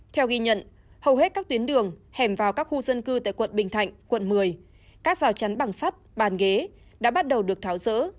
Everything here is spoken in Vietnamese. theo ghi nhận hầu hết các tuyến đường hẻm vào các khu dân cư tại quận bình thạnh quận một mươi các rào chắn bằng sắt bàn ghế đã bắt đầu được tháo rỡ